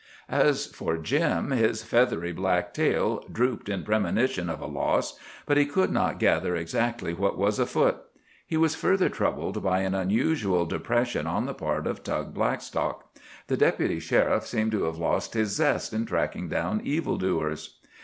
As for Jim, his feathery black tail drooped in premonition of a loss, but he could not gather exactly what was afoot. He was further troubled by an unusual depression on the part of Tug Blackstock. The Deputy Sheriff seemed to have lost his zest in tracking down evil doers.